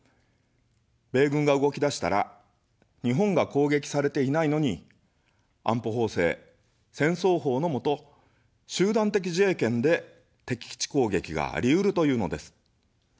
米軍が動き出したら、日本が攻撃されていないのに、安保法制、戦争法のもと、集団的自衛権で敵基地攻撃がありうるというのです。